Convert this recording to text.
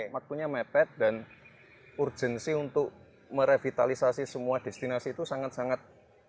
waktunya mepet dan urgensi untuk merevitalisasi semua destinasi itu sangat sangat